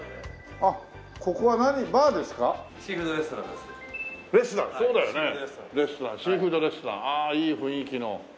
ああいい雰囲気の。